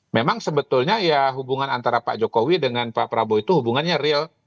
memang sebetulnya ya hubungan antara pak jokowi dengan pak prabowo itu hubungannya real